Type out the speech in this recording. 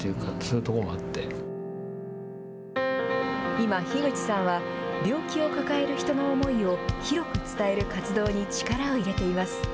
今、樋口さんは病気を抱える人の思いを広く伝える活動に力を入れています。